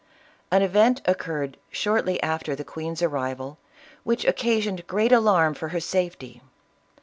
An event occurred shortly after the queen's arrival, which occasioned great alarm for her safety.